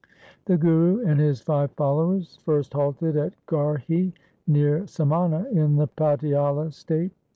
The Guru and his five followers first halted at Garhi near Samana, in the Patiala state.